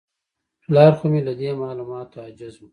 پلار خو مې له دې معلوماتو عاجز و.